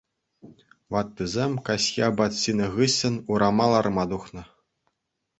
Ваттисем каҫхи апат ҫинӗ хыҫҫӑн урама ларма тухнӑ.